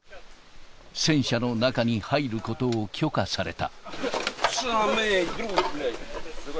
戦車の中に入ることを許可された。